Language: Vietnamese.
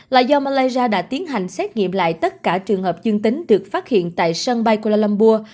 là do malaysia đã tiến hành xét nghiệm lại tất cả trường hợp dương tính được phát hiện tại sân bay kuala lumburg